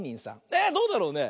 えどうだろうね？